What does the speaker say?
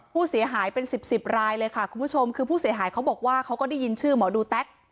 ผู้เสียหายเป็นสิบสิบรายเลยค่ะคุณผู้ชมคือผู้เสียหายเขาบอกว่าเขาก็ได้ยินชื่อหมอดูแต๊ก